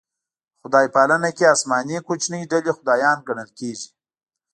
خدای پالنه کې اسماني کوچنۍ ډلې خدایان ګڼل کېږي.